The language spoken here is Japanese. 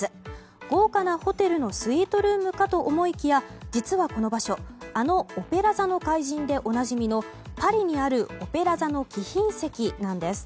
豪華なホテルのスイートルームかと思いきや実はこの場所、あの「オペラ座の怪人」でおなじみのパリにあるオペラ座の貴賓席なんです。